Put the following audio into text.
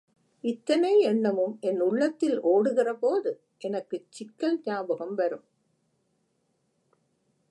இத்தனை எண்ணமும் என் உள்ளத்தில் ஓடுகிறபோது, எனக்குச் சிக்கல் ஞாபகம் வரும்.